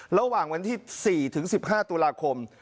ระหว่างวันที่๔ถึง๑๕ตุลาคม